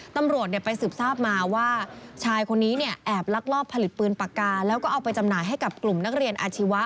ตำรวจไปสืบทราบมาว่าชายคนนี้เนี่ยแอบลักลอบผลิตปืนปากกาแล้วก็เอาไปจำหน่ายให้กับกลุ่มนักเรียนอาชีวะ